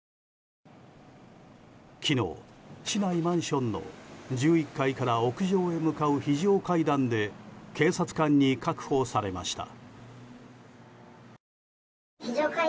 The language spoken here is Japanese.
昨日、市内マンションの１１階から屋上へ向かう非常階段で警察官に確保されました。